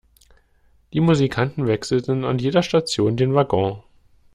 Die Musikanten wechselten an jeder Station den Wagon.